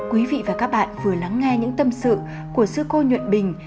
quý vị và các bạn vừa lắng nghe những tâm sự của sư cô nhuận bình